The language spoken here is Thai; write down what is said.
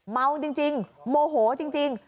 เมาจริงโมโหจริง